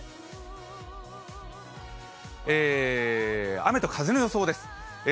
雨と風の予想です。